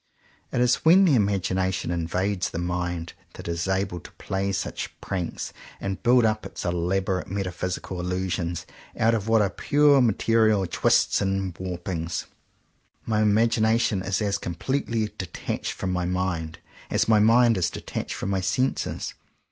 It is when the imagination invades the mind that it is able to play such pranks and build up its elaborate metaphysical illusions out of what are pure material twists and warpings. My imagination is as completely detached from my mind, as my mind is detached from my senses.